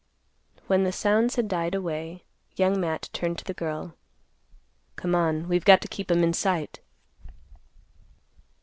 When the sounds had died away; Young Matt turned to the girl; "Come on; we've got to keep 'em in sight."